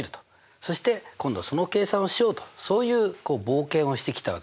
そして今度その計算をしようとそういう冒険をしてきたわけですよ。